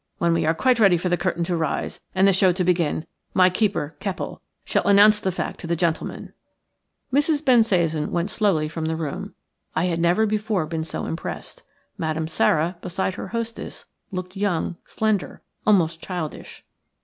When we are quite ready for the curtain to rise and the show to begin, my keeper, Keppel, shall announce the fact to the gentlemen." Mrs. Bensasan went slowly from the room. I had never before been so impressed. Madame Sara beside her hostess looked young, slender, almost childish.